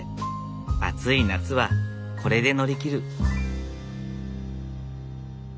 暑い夏はこれで乗り切る。